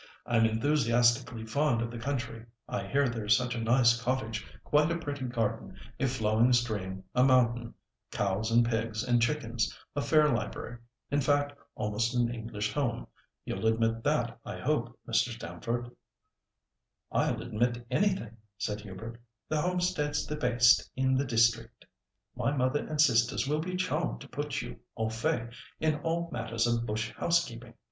"I'm enthusiastically fond of the country. I hear there's such a nice cottage, quite a pretty garden, a flowing stream, a mountain, cows and pigs, and chickens, a fair library—in fact, almost an English home. You'll admit that, I hope, Mr. Stamford?" "I'll admit anything," said Hubert; "the homestead's the best in the district. My mother and sisters will be charmed to put you au fait in all matters of bush housekeeping.